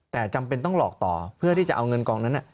แต่จำเป็นต้องหลอกต่อเพื่อที่จะเอาเงินกองนั้น